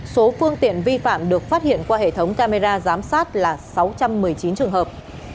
số phương tiện vi phạm được phát hiện qua hệ thống camera giám sát là sáu trăm một mươi chín trường hợp